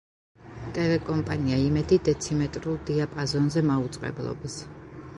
ტელეკომპანია იმედი დეციმეტრულ დიაპაზონზე მაუწყებლობს.